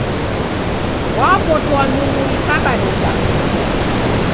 Wapotoa nyungu ikabarika